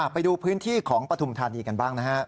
ไปดูพื้นที่ของปฐุมธานีกันบ้างนะฮะ